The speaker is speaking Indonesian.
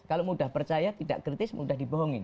kalau mudah percaya tidak gestis mudah dibohongi